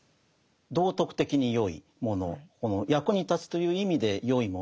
道徳的に善いもの役に立つという意味で善いもの